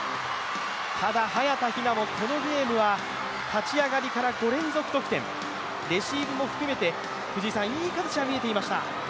ただ早田ひなもこのゲームは立ち上がりから５連続得点、レシーブも含めて、いい形は見えていました。